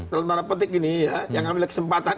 tentang petik ini ya yang ambil kesempatan